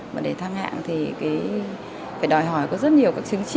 và để thăng hạng thì phải đòi hỏi có rất nhiều các chứng chỉ